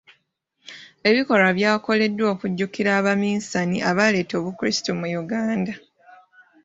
Ebikolwa byakoleddwa okujjukira abaminsane abaleeta Obukrisitu mu Uganda.